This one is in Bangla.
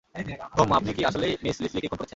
হুম আপনি কি আসলেই মিঃ লিসলিকে খুন করেছেন?